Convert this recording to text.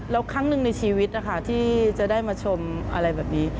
แล้วครั้งหนึ่งในชีวิตนะคะที่จะได้มาชมอะไรแบบนี้